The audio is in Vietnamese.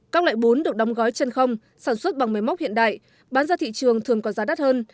các loại bún được đóng gói chân không sản xuất bằng máy móc hiện đại bán ra thị trường thường có giá đắt hơn